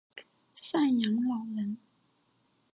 赡养老人